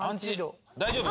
大丈夫？